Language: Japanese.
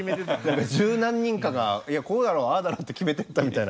十何人かが「こうだろうああだろう」って決めてったみたいな。